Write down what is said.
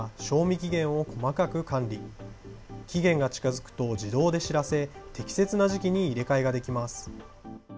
期限が近づくと自動で知らせ、適切な時期に入れ替えができます。